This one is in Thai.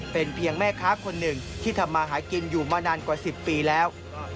เป็นเพียงแม่ค้าคนหนึ่งที่ทำมาหากินอยู่มานานกว่า๑๐ปีแล้ว